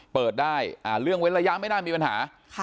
เปิดได้เรื่องเว้นระยะไม่น่ามีปัญหา